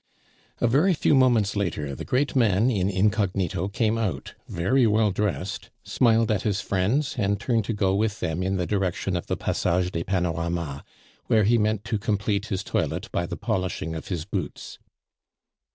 A very few moments later, the great man, in incognito, came out, very well dressed, smiled at his friends, and turned to go with them in the direction of the Passage des Panoramas, where he meant to complete his toilet by the polishing of his boots.